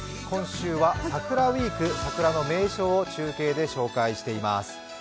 今週は桜ウィーク桜の名所を中継で紹介しています。